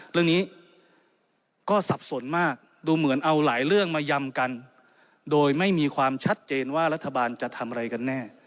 เรื่องนี้ก็สับสนมากดูเหมือนเอาหลายเรื่องมายำกันโดยไม่มีความชัดเจนว่ารัฐบาลจะทำอะไรกันแน่